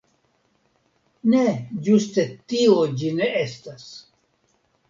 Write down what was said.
Ne, ĝuste tio ĝi ne estas!